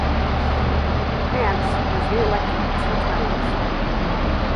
Hance was reelected two times.